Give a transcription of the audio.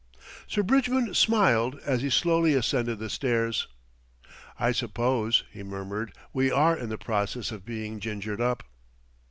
Sir Bridgman smiled as he slowly ascended the stairs. "I suppose," he murmured, "we are in the process of being gingered up."